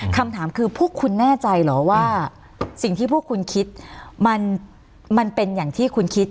คำถามคือพวกคุณแน่ใจเหรอว่าสิ่งที่พวกคุณคิดมันเป็นอย่างที่คุณคิด